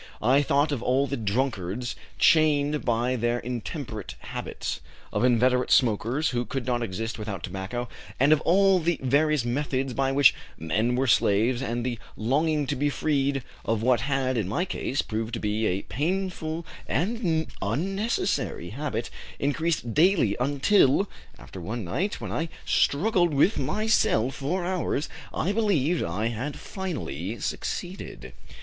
I thought of all the drunkards chained by their intemperate habits, of inveterate smokers who could not exist without tobacco, and of all the various methods by which men were slaves, and the longing to be freed of what had, in my case, proved to be a painful and unnecessary habit, increased daily until, after one night when I struggled with myself for hours, I believed I had finally succeeded.